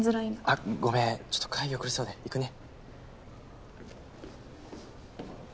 あっごめんちょっと会議遅れそうで行くね。